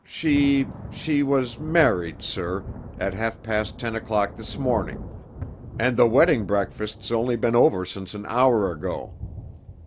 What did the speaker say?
She she was married, sir, at half past ten o'clock this morning, and the wedding breakfast's only been over since an hour ago."